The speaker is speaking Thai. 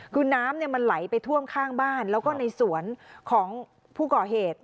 คือน้ำมันไหลไปท่วมข้างบ้านแล้วก็ในสวนของผู้ก่อเหตุ